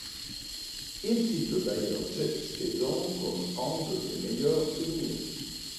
Il cite d'ailleurs cette saison comme un de ses meilleurs souvenirs.